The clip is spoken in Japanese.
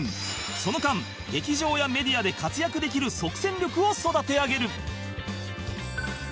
その間劇場やメディアで活躍できる即戦力を育て上げる